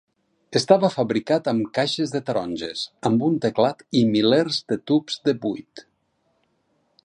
Estava fabricat amb caixes de taronges amb un teclat i milers de tubs de buit!